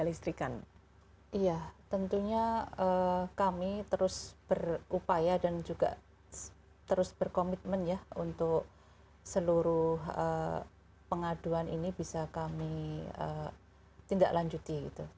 iya tentunya kami terus berupaya dan juga terus berkomitmen ya untuk seluruh pengaduan ini bisa kami tindak lanjuti